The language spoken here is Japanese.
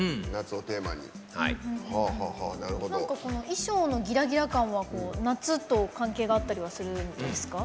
衣装のギラギラ感は「夏」と関係あったりはするんですか？